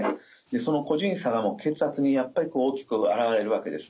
その個人差が血圧にやっぱり大きく表れるわけです。